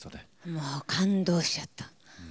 もう感動しちゃった。